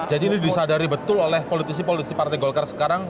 jadi ini disadari betul oleh politisi politisi partai golkar sekarang